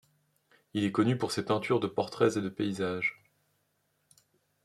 Il est connu pour ses peintures de portraits et de paysages.